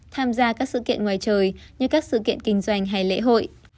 tham gia các sự kiện ngoài trời như các sự kiện kinh doanh hay lễ hội